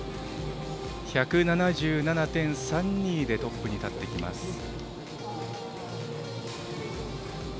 １７７．３２でトップに立ってきます。